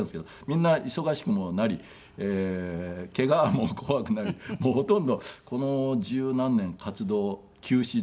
みんな忙しくもなりケガも怖くなりほとんどこの十何年活動休止状態で。